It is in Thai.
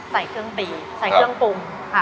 ใส่เครื่องปีใส่เครื่องปุ้ง